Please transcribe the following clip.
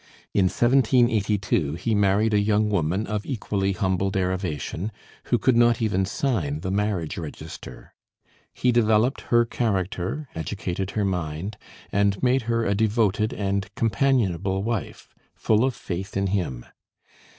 In 1782 he married a young woman of equally humble derivation, who could not even sign the marriage register. He developed her character, educated her mind, and made her a devoted and companionable wife, full of faith in him.